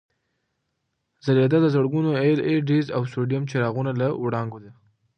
ځلېدا د زرګونو اېل ای ډیز او سوډیم څراغونو له وړانګو ده.